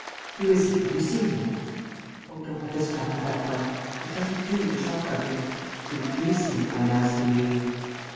"Who is he? Have you seen him?" "Oh, don't let us talk of that one ... it doesn't do to talk of him." "Who is he, I'm asking you."